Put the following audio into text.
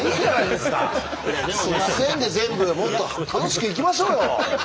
「すいません」で全部もっと楽しくいきましょうよ。